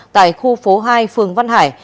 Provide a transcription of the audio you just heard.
tại khu phố hai phường văn hải